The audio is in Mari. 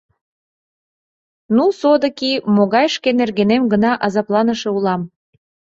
Ну, содыки, могай шке нергенем гына азапланыше улам!